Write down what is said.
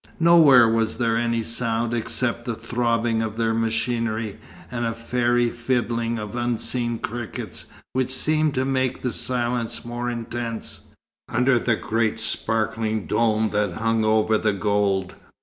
Nowhere was there any sound except the throbbing of their machinery, and a fairy fiddling of unseen crickets, which seemed to make the silence more intense, under the great sparkling dome that hung over the gold.